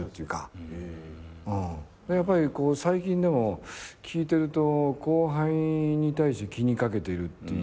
やっぱり最近でも聞いてると後輩に対して気にかけてるという。